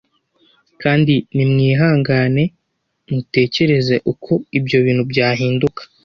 kandi nimwihangane mutecyereze uko ibyo bintu byahinduka